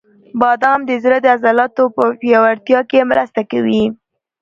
• بادام د زړه د عضلاتو پیاوړتیا کې مرسته کوي.